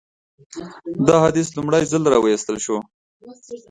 دا حدیث لومړی ځل راوایستل شو.